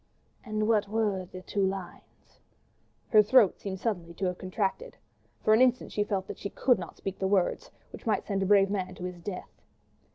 "And what were these two lines?" Her throat seemed suddenly to have contracted. For an instant she felt that she could not speak the words, which might send a brave man to his death.